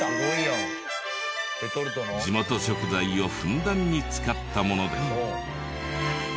地元食材をふんだんに使ったもので。